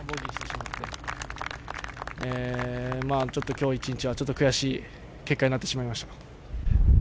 今日１日は悔しい結果になってしまいました。